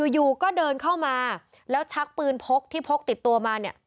อยู่ก็เดินเข้ามาแล้วชักปืนพกที่พกติดตัวมาเนี่ย